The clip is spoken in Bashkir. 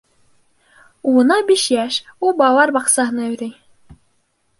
Улына биш йәш. Ул балалар баҡсаһына йөрөй